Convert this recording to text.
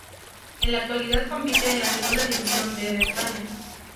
En la actualidad compite en la Segunda División B de España.